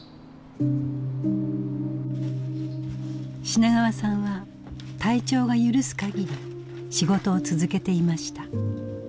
品川さんは体調が許すかぎり仕事を続けていました。